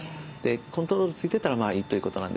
コントロールついてたらまあいいということなんですけど